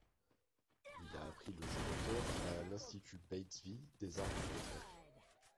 Il a appris le jeu d’acteur à l’Institut Beit Zvi des arts du spectacle.